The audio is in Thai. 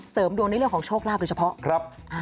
เสริมดวงในเรื่องของโชคลาภโดยเฉพาะครับ